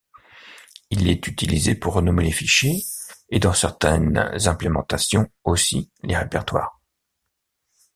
Il est utilisé pour renommer les fichiers et dans certaines implémentations aussi les répertoires.